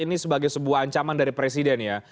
ini sebagai sebuah ancaman dari presiden ya